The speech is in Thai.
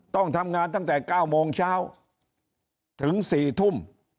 ต้องทำงานตั้งแต่๙โมงเช้าถึง๔ทุ่ม